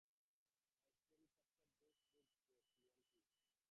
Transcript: The story was captured in Bruce Brown's book, "Lone Tree".